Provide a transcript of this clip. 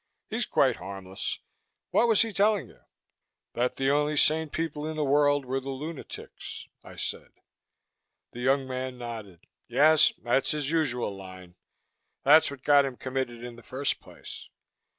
He's quite harmless. What was he telling you?" "That the only sane people in the world were the lunatics," I said. The young man nodded. "Yes, that's his usual line. That's what got him committed in the first place.